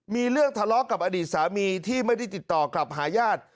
มีเรื่องทะเลาะกับอดีตสามีที่ไม่ได้ติดต่อกลับหาญาติ